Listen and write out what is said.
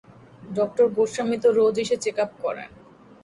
Doctor Goswami তো রোজ এসে চেকআপ করেন।